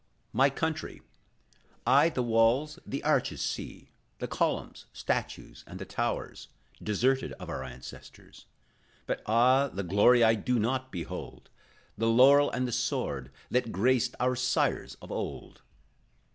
(1818.) My country, I the walls, the arches see, The columns, statues, and the towers Deserted, of our ancestors; But, ah, the glory I do not behold, The laurel and the sword, that graced Our sires of old.